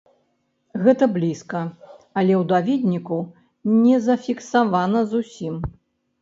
Гэта блізка, але ў даведніку не зафіксавана зусім.